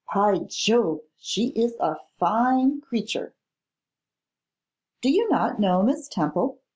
By Jove, she is a fine creature!' 'Do not you know Miss Temple?